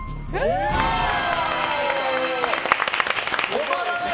止まらない。